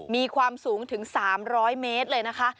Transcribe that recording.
มีความสูงถึง๓๐๐เมตรเลยนะคะ